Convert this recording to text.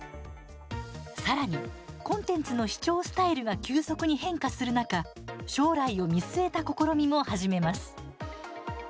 さらに、コンテンツの視聴スタイルが急速に変化する中将来を見据えた試みも始めます。